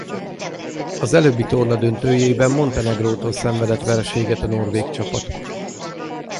Az előbbi torna döntőjében Montenegrótól szenvedett vereséget a norvég csapat.